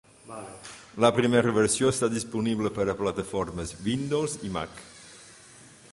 La primera versió està disponible per a plataformes Windows i Mac.